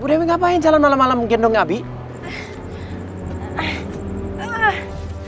bu dewi ngapain jalan malam malam gendong abii